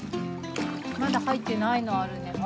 まだはいってないのあるねほら。